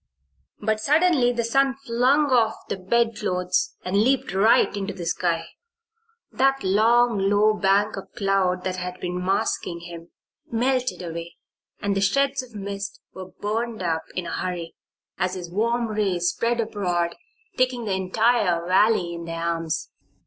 But suddenly the sun flung off the bedclothes and leaped right into the sky. That long, low bank of cloud that had been masking him, melted away and the shreds of mist were burned up in a hurry as his warm rays spread abroad, taking the entire valley in their arms.